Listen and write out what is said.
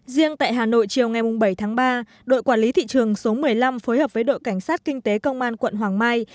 riêng tại hà nội chiều ngày bảy tháng ba đội quản lý thị trường số một mươi năm phối hợp với đội cảnh sát kinh tế công an quận hoàng mai